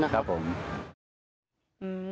ครับผม